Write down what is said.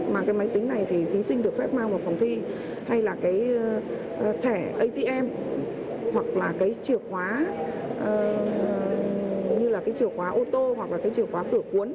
mà cái máy tính này thì thí sinh được phép mang vào phòng thi hay là cái thẻ atm hoặc là cái chìa khóa như là cái chìa khóa ô tô hoặc là cái chìa khóa cửa cuốn